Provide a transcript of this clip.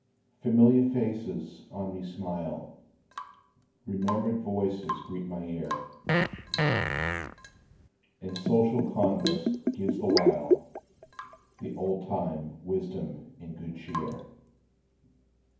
Familiar faces on me smile, Remembered voices greet my ear, And social converse gives the while, The old time wisdom and good cheer.